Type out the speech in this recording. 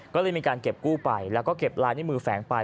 ก็เลยมีการเก็บกู้ไปแล้วก็เก็บลายนิ้วมือแฝงไป